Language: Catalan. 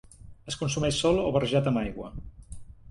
Es consumeix sol o barrejat amb aigua.